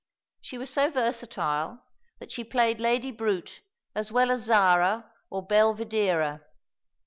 She was so versatile that she played Lady Brute as well as Zara or Belvidera.